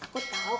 ya udah yuk